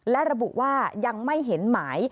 และระบุว่ายังไม่เห็นหมาย